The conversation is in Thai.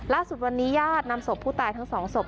ล่าสุดวันนี้ญาตินำศพผู้ตายทั้งสองศพ